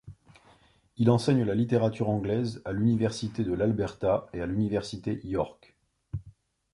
Il enseigne la littérature anglaise à l'Université de l'Alberta et à l'Université York.